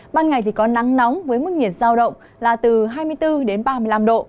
ban ngày thì có nắng nóng với mức nhiệt giao động là từ hai mươi bốn đến ba mươi năm độ